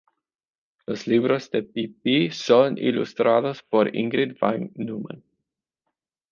Los libros de Pippi son ilustrados por Ingrid Vang Nyman.